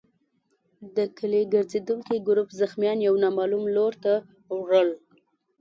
د کلي ګرزېدونکي ګروپ زخمیان يو نامعلوم لور ته وړل.